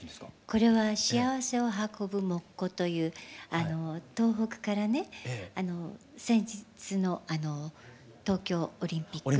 これは幸せを運ぶ「モッコ」という東北からね先日の東京オリンピック。